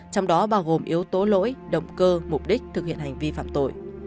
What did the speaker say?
trong đó bao gồm yếu tố lỗi động cơ mục đích thực hiện hành vi phạm tội